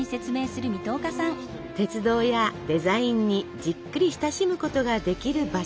鉄道やデザインにじっくり親しむことができる場所です。